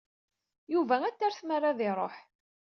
Yuba ad t-terr tmara ad iṛuḥ.